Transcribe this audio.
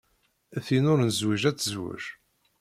Tin ur nezwij ad tezwej.